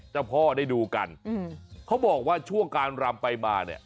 เจ้าพ่อได้ดูกันเขาบอกว่าช่วงการรำไปมาเนี่ย